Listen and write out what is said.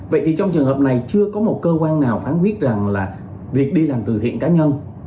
vậy thì trong trường hợp này chưa có một cơ quan nào phán quyết rằng là việc đi làm từ thiện cá nhân